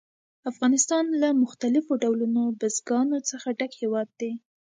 افغانستان له مختلفو ډولونو بزګانو څخه ډک هېواد دی.